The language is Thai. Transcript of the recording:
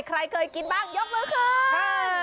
ใครเคยกินบ้างยกมือคืน